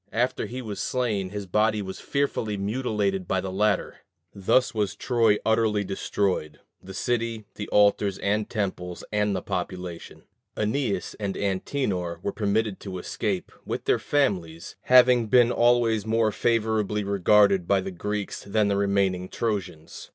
After he was slain, his body was fearfully mutilated by the latter. Thus was Troy utterly destroyed the city, the altars and temples, and the population. Æneas and Antenor were permitted to escape, with their families, having been always more favorably regarded by the Greeks than the remaining Trojans.